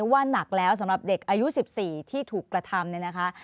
ว่านักแล้วสำหรับเด็กอายุ๑๔ที่ถูกกระทำเนี่ยนะคะ